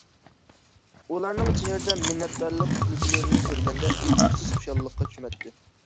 ئۇلارنىڭ چېھرىدە مىننەتدارلىق كۈلكىلىرىنى كۆرگەندە ئېيتقۇسىز خۇشاللىققا چۆمەتتى.